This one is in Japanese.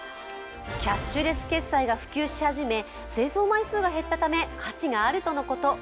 キャッシュレス決済が普及し始め製造枚数が減ったため価値があるとのこと。